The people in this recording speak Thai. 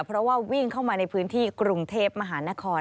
เพราะว่าวิ่งเข้ามาในพื้นที่กรุงเทพมหานคร